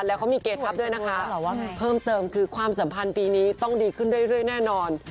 แล้วเขามีเกทัพด้วยนะคะเพิ่มเติมคือความสัมพันธ์ปีนี้ต้องดีขึ้นเรื่อยแน่นอน